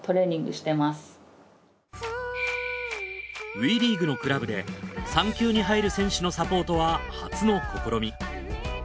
ＷＥリーグのクラブで産休に入る選手のサポートは初の試み。